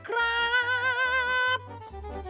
โปรดติดตามตอนต่อไป